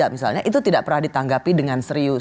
misalnya itu tidak pernah ditanggapi dengan serius